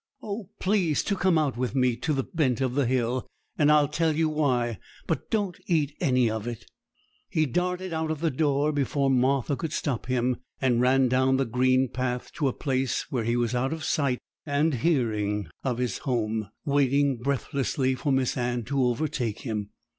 'Oh, please to come out with me to the bent of the hill, and I'll tell you why. But don't eat any of it!' He darted out at the door before Martha could stop him, and ran down the green path to a place where he was out of sight and hearing of his home, waiting breathlessly for Miss Anne to overtake him.